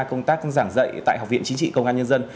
công tác giảng dạy tại học viện chính trị công an nhân dân